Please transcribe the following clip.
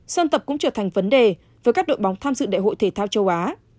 sân tập cũng trở thành vấn đề với các đội bóng tham dự đại hội thể thao châu á